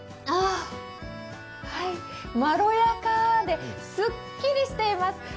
あ、はい、まろやかですっきりしています。